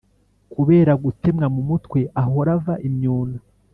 Kubera gutemwa mu mutwe, ahora ava imyuna